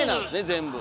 全部。